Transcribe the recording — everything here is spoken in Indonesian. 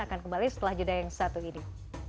akan kembali setelah jeda yang satu ini